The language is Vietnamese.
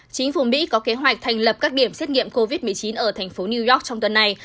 chính phủ mỹ có kế hoạch thành lập các điểm xét nghiệm covid một mươi chín ở thành phố new york trong tuần này